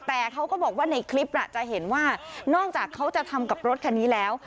แต่เขาก็บอกว่าในคลิปจะเห็นว่านอกจากเขาจะทำกับรถคันนี้แล้ว